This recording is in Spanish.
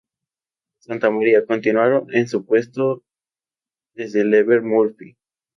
Santa María, continuando en su puesto desde Lever Murphy.